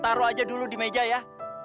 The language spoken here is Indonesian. taruh aja dulu di meja ya